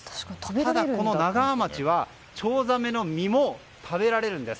ただ、この長和町はチョウザメの身も食べられるんです。